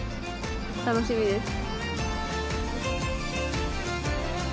楽しみです。